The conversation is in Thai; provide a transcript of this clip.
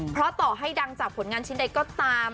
เพราะต่อให้ดังจากผลงานชิ้นใดก็ตาม